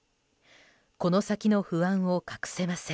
この先の不安を隠せません。